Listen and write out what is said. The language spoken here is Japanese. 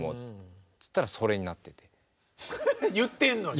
言ってんのに。